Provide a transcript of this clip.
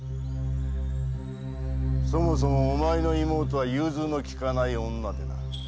そもそもお前の妹は融通のきかない女でな。